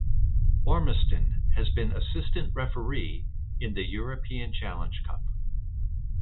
Ormiston has been Assistant Referee in the European Challenge Cup.